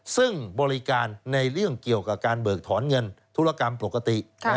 ซึ่งบริการในเรื่องเกี่ยวกับการเบิกถอนเงินธุรกรรมปกติ